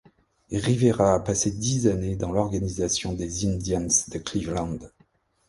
Rivera a passé dix années dans l'organisation des Indians de Cleveland.